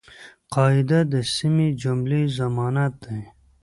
قاعده د سمي جملې ضمانت دئ.